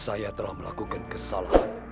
saya telah melakukan kesalahan